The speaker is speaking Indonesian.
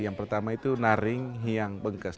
yang pertama itu naring hiang bengkas